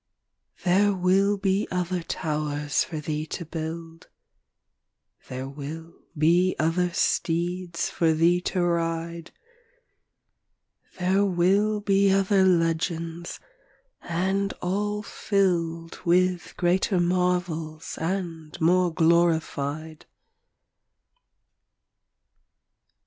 There will be other towers for thee to build; There will be other steeds for thee to ride; There will be other legends, and all filled With greater marvels and more glorified.